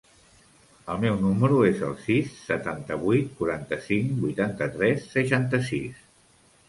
El meu número es el sis, setanta-vuit, quaranta-cinc, vuitanta-tres, seixanta-sis.